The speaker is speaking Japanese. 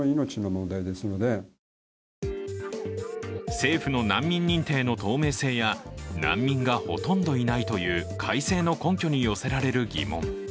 政府の難民認定の透明性や難民がほとんどいないという改正の根拠に寄せられる疑問。